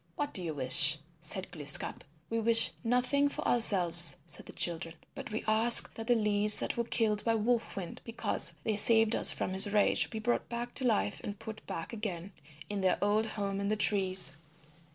"What do you wish?" said Glooskap. "We wish nothing for ourselves," said the children, "but we ask that the leaves that were killed by Wolf Wind because they saved us from his rage be brought back to life and put back again in their old home in the trees."